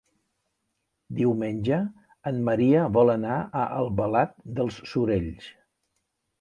Diumenge en Maria vol anar a Albalat dels Sorells.